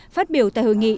phát biểu tại hội nghị